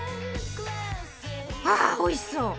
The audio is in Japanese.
あおいしそう！